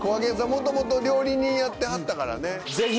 元々料理人やってはったからね。